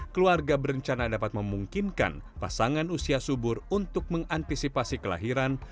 keluarga berencana dapat memungkinkan pasangan usia subur untuk mengantisipasi kelahiran